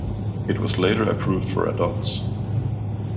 It was later approved for adults.